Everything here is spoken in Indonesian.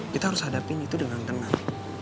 kita harus hadapin itu dengan tenang